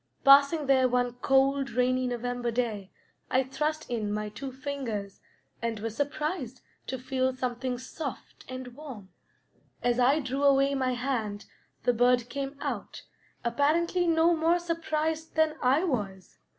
Passing there one cold, rainy November day, I thrust in my two fingers and was surprised to feel something soft and warm: as I drew away my hand the bird came out, apparently no more surprised than I was.